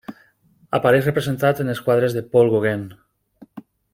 Apareix representat en els quadres de Paul Gauguin.